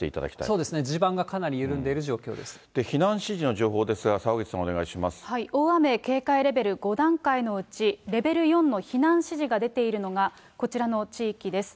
そうですね、避難指示の情報ですが、澤口さん、大雨警戒レベル５段階のうち、レベル４の避難指示が出ているのがこちらの地域です。